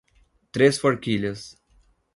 Três Forquilhas